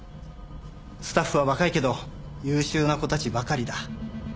スタッフは若いけど優秀な子たちばかりだ。